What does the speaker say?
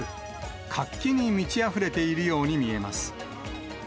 活気に満ちあふれているように見えます。